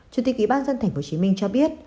chủ tịch ủy ban dân tp hcm cho biết